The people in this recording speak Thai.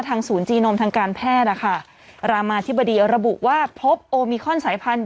ศูนย์จีนมทางการแพทย์นะคะรามาธิบดีระบุว่าพบโอมิคอนสายพันธ